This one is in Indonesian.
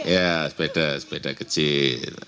ya sepeda sepeda kecil